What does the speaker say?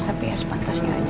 tapi ya sepatahnya aja